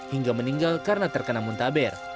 hingga meninggal karena terkena muntaber